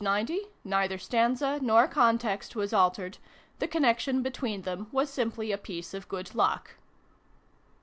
90, neither stanza nor context was altered : the connection between them was simply a piece of good luck.